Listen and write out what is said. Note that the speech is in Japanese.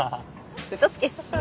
ウソつけ！